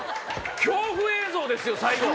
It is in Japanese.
恐怖映像ですよ最後。